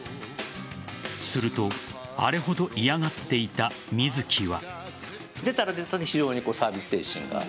するとあれほど嫌がっていた水木は。